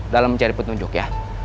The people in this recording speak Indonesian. dalam mencari petunjuk ya